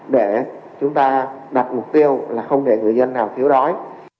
để chúng ta đặt mục tiêu là không để người dân nào thiếu đói